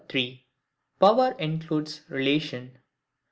Power includes Relation.